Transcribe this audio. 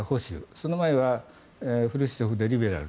その前はフルシチョフでリベラル